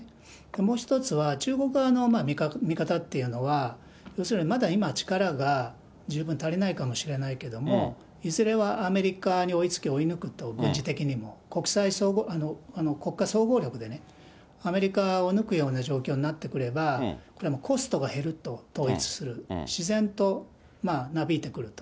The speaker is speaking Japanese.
もう１つは、中国側の見方っていうのは、要するに、まだ力が十分足りないかもしれないけども、いずれはアメリカに追いつけ、追い抜くと、軍事的にも国家総合力でね、アメリカを抜くような状況になってくれば、これはコストが減ると、統一する、自然となびいてくると。